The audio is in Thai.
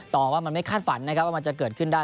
ต่อว่ามันไม่คาดฝันนะครับว่ามันจะเกิดขึ้นได้